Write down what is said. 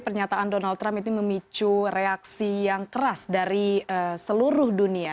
pernyataan donald trump itu memicu reaksi yang keras dari seluruh dunia